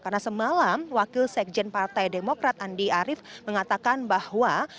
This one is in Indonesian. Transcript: karena semalam wakil sekjen partai demokrat andi arief mengatakan bahwa